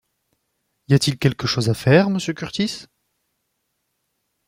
Y a-t-il quelque chose à faire, monsieur Kurtis?